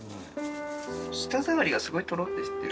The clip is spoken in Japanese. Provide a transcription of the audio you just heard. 舌触りがすごいトロッてしてる。